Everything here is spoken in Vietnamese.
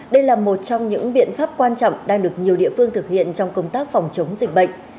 đây là một trong những biện pháp quan trọng đang được nhiều địa phương thực hiện trong công tác phòng chống dịch bệnh